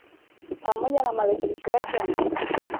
pamoja na marekebisho yake ya mwaka huo